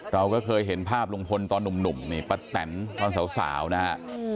เราก็เคยเห็นภาพลุงพลตอนหนุ่มนี่ป้าแตนตอนสาวนะฮะ